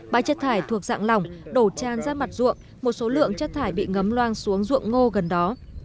bãi chất thải thuộc dạng lỏng đổ tràn ra mặt ruộng một số lượng chất thải bị ngấm loang xuống ruộng ngô gần đó